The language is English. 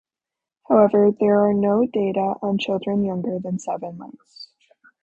However, there are no data on children younger than seven months.